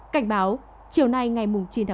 cảnh báo chiều nay ngày chín một mươi